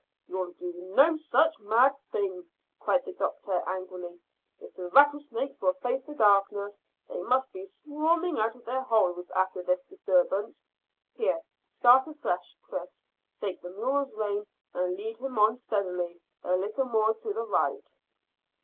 "You'll do no such mad thing," cried the doctor angrily. "If the rattlesnakes will face the darkness they must be swarming out of their holes after this disturbance. Here, start afresh, Chris. Take the mule's rein and lead him on steadily a little more to the right."